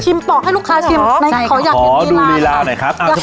ชิมปอกให้ลูกค้าชิมขออยากเห็นลีลาหน่อยครับขอดูลีลาหน่อยครับอ้าว